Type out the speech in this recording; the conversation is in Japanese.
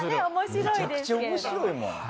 めちゃくちゃ面白いもん。